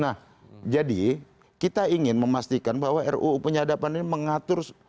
nah jadi kita ingin memastikan bahwa ruu penyadapan ini mengatur